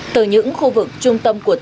từ những khu vực trung tâm của tỉnh